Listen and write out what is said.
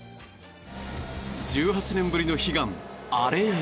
１８年ぶりの悲願、アレへ。